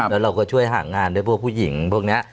แล้วเราก็ช่วยหางานด้วยพวกผู้หญิงพวกนี้